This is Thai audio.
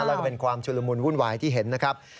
แล้วก็เป็นความชุลมุนวุ่นวายที่เห็นนะครับ